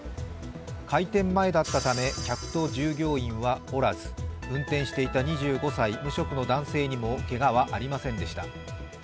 開店前だったため客と従業員はおらず、運転していた２５歳、無職の男性にもけがはありませんでした。